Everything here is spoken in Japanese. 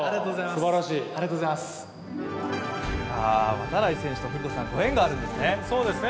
度会選手と古田さんご縁があるんですね？